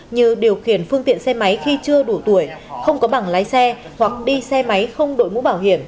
như điều khiển phương tiện xe máy khi chưa đủ tuổi không có bảng lái xe hoặc đi xe máy không đội mũ bảo hiểm